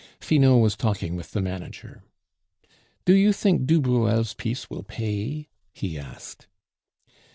Finot was talking with the manager. "Do you think du Bruel's piece will pay?" he asked.